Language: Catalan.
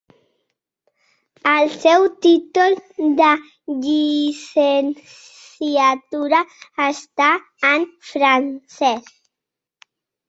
El seu títol de llicenciatura està en francès.